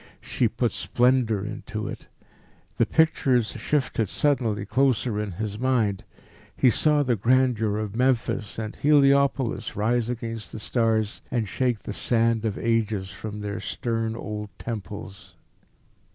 She put splendour into it. The pictures shifted suddenly closer in his mind. He saw the grandeur of Memphis and Heliopolis rise against the stars and shake the sand of ages from their stern old temples.